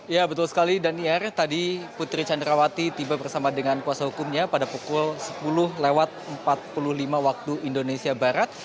ya betul sekali daniar tadi putri candrawati tiba bersama dengan kuasa hukumnya pada pukul sepuluh lewat empat puluh lima waktu indonesia barat